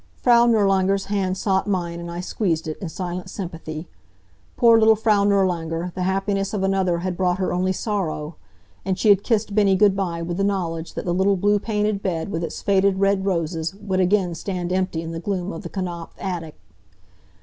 Frau Nirlanger's hand sought mine and I squeezed it in silent sympathy. Poor little Frau Nirlanger, the happiness of another had brought her only sorrow. And she had kissed Bennie good by with the knowledge that the little blue painted bed, with its faded red roses, would again stand empty in the gloom of the Knapf attic.